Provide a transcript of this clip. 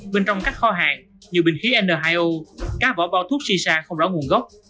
bên trong các kho hàng nhiều bình khí n hai o cá vỏ bao thuốc shisha không rõ nguồn gốc